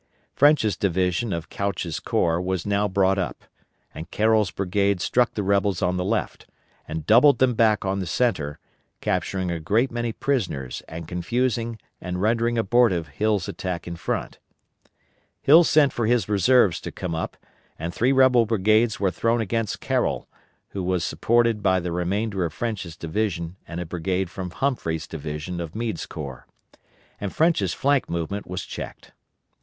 French's division of Couch's corps was now brought up, and Carroll's brigade struck the rebels on the left, and doubled them back on the centre, capturing a great many prisoners and confusing and rendering abortive Hill's attack in front. Hill sent for his reserves to come up, and three rebel brigades were thrown against Carroll, who was supported by the remainder of French's division and a brigade from Humphrey's division of Meade's corps, and French's flank movement was checked.